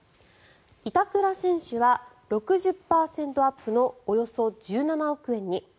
板倉選手は６０％アップのおよそ１７億円に。